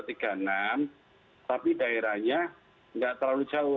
tapi daerahnya nggak terlalu jauh